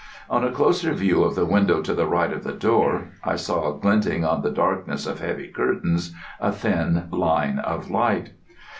On a closer view of the window to the right of the door, I saw glinting on the darkness of heavy curtains a thin line of light.